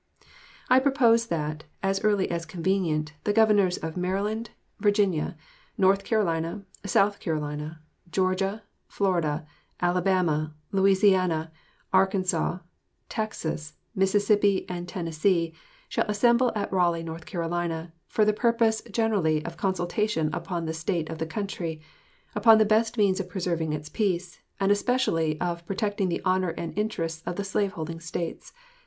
I propose that, as early as convenient, the Governors of Maryland, Virginia, North Carolina, South Carolina, Georgia, Florida, Alabama, Louisiana, Texas, Arkansas, Mississippi, and Tennessee shall assemble at Raleigh, N.C., for the purpose generally of consultation upon the state of the country, upon the best means of preserving its peace, and especially of protecting the honor and interests of the slave holding States.